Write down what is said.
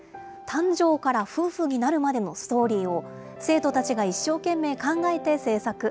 誕生から夫婦になるまでのストーリーを、生徒たちが一生懸命考えて制作。